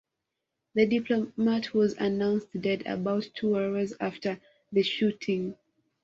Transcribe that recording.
The diplomat was announced dead about two hours after the shooting.